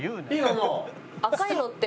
もう。